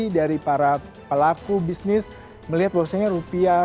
dari para pelaku bisnis melihat bahwasanya rupiah